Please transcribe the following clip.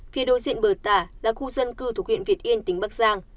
phía đối diện bờ tả là khu dân cư thuộc huyện việt yên tỉnh bắc giang